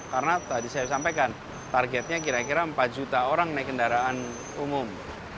karena tadi saya sampaikan targetnya kira kira empat juta orang naik kendaraan umum